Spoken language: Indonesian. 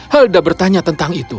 helda bertanya tentang itu